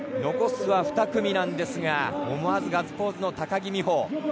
残すは２組なんですが思わずガッツポーズの高木美帆。